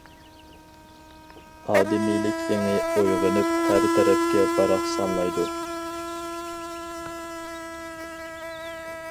ئادىمىيلىك ئېڭى ئويغىنىپ، ھەر تەرەپكە باراقسانلايدۇ.